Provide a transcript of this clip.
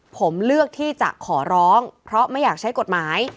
ผมเลือกที่จะขอร้องเพราะไม่อยากใช้กฎหมาย